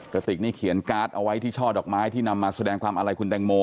กระติกนี่เขียนการ์ดเอาไว้ที่ช่อดอกไม้ที่นำมาแสดงความอาลัยคุณแตงโม